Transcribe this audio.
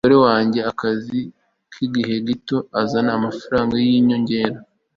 umugore wanjye akazi k'igihe gito azana amafaranga yinyongera